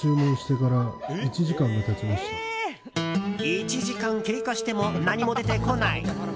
１時間経過しても何も出てこない。